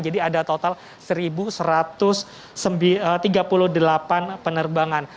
jadi ada total satu satu ratus tiga puluh delapan penerbangan